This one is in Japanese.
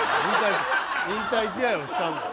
引退試合をしたんだよ。